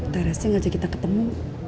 teresnya ngajak kita ketemu